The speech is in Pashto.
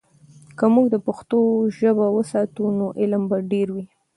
که موږ د پښتو ژبه وساتو، نو علم به ډیر وي.